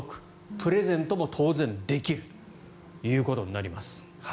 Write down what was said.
プレゼントも当然できるということになります。